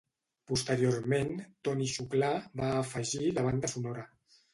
Posteriorment Toni Xuclà va afegir la banda sonora.